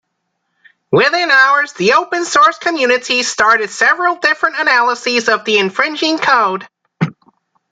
Within hours, the open source community started several different analyses of the infringing code.